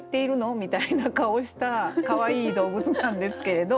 みたいな顔したかわいい動物なんですけれど。